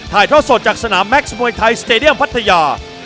ถ่ายท่อสดจากสนามแม็กซ์มวยไทยสเตดียมพัทยา